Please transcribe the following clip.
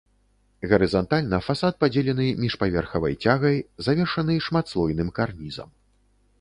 Гарызантальна фасад падзелены міжпаверхавай цягай, завершаны шматслойным карнізам.